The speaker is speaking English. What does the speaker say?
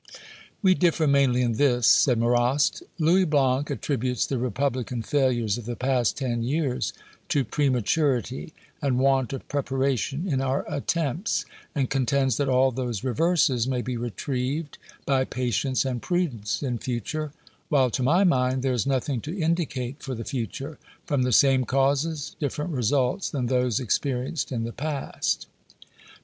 "We differ mainly in this," said Marrast: "Louis Blanc attributes the Republican failures of the past ten years to prematurity and want of preparation in our attempts, and contends that all those reverses may be retrieved by patience and prudence in future, while, to my mind, there is nothing to indicate for the future, from the same causes, different results than those experienced in the past."